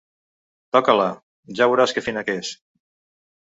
Toca-la: ja veuràs que fina que és.